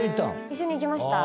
一緒に行きました